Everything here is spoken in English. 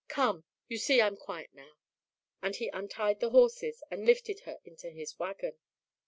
Come, you see I'm quiet now," and he untied the horses and lifted her into his wagon.